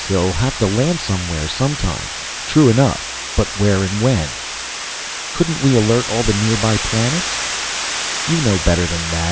He'll have to land somewhere, sometime." "True enough but where and when?" "Couldn't we alert all the nearby planets?" "You know better than that.